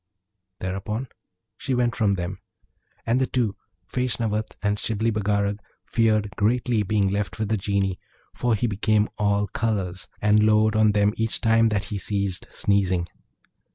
Thereupon, she went from them; and the two, Feshnavat and Shibli Bagarag, feared greatly being left with the Genie, for he became all colours, and loured on them each time that he ceased sneezing.